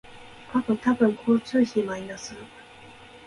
あと多分交通費マイナス